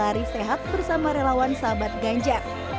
lari sehat bersama relawan sahabat ganjar